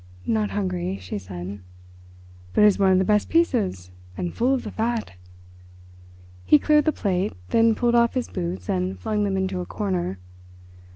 "Not hungry," she said. "But it is one of the best pieces, and full of the fat." He cleared the plate; then pulled off his boots and flung them into a corner.